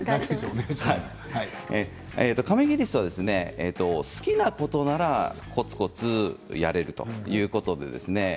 かめギリスは好きなことならこつこつやれるタイプですね。